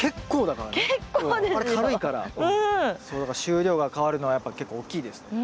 だから収量が変わるのはやっぱ結構大きいですね。